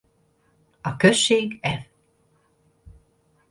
A község ev.